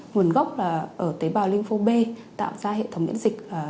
nguồn gốc là ở tế bào lymphobê tạo ra hệ thống miễn dịch